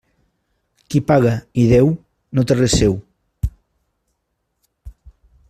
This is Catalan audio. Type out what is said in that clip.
Qui paga i deu no té res seu.